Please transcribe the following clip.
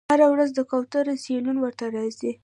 هره ورځ د کوترو سیلونه ورته راځي